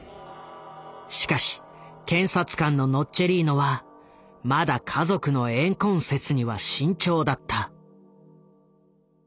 しかし検察官のノッチェリーノはまだ家族の怨恨説には慎重だった。